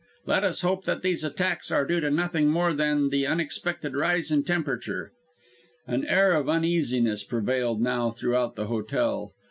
"Let us hope that these attacks are due to nothing more than the unexpected rise in the temperature." An air of uneasiness prevailed now throughout the hotel.